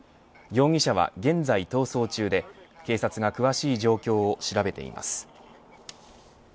容疑者は現在逃走中で警察が詳しい状況を調べています。